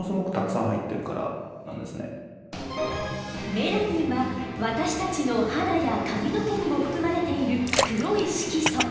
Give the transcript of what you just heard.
メラニンは私たちの肌や髪の毛にも含まれている黒い色素。